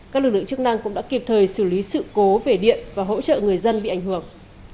các lực lượng chức năng cũng đã kịp thời xử lý sự cố về điện và hỗ trợ người dân bị ảnh hưởng